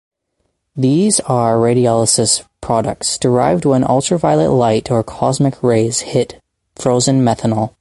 These are radiolysis products derived when ultraviolet light or cosmic rays hit frozen methanol.